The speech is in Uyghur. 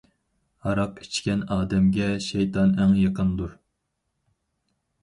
ھاراق ئىچكەن ئادەمگە شەيتان ئەڭ يېقىندۇر!